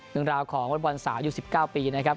ร่างราวของอลบวัลสาว๑๙ปีนะครับ